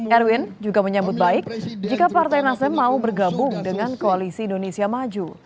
erwin juga menyambut baik jika partai nasdem mau bergabung dengan koalisi indonesia maju